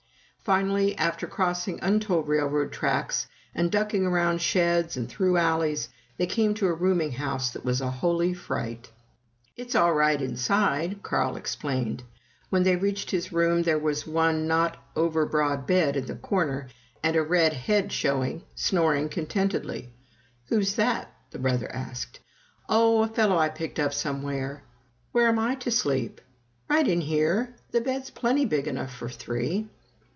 Finally, after crossing untold railroad tracks and ducking around sheds and through alleys, they came to a rooming house that was "a holy fright." "It's all right inside," Carl explained. When they reached his room, there was one not over broad bed in the corner, and a red head showing, snoring contentedly. "Who's that?" the brother asked. "Oh, a fellow I picked up somewhere." "Where am I to sleep?" "Right in here the bed's plenty big enough for three!"